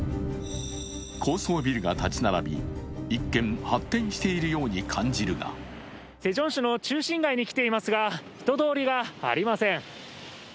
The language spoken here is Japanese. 高層ビルが建ち並び、一見発展しているように感じるがセジョン市の中心街に来ていますが人通りがありません。